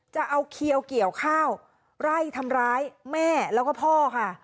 จะเอาเขียวเกี่ยวข้าวไล่ทำร้ายแม่แล้วก็พ่อค่ะ